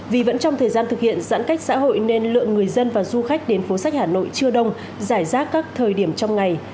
vì vẫn trong thời gian thực hiện giãn cách xã hội nên lượng người dân và du khách đến phố sách hà nội chưa đông giải rác các thời điểm trong ngày